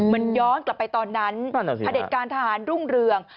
มันย้อนกลับไปตอนนั้นพระเด็จการทหารรุ่งเรือง